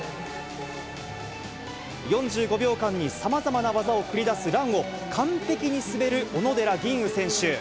４５秒間にさまざまな技を繰り出すランを、完璧に滑る小野寺吟雲選手。